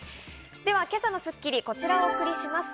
今朝の『スッキリ』はこちらをお送りします。